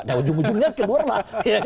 dan ujung ujungnya keluar lah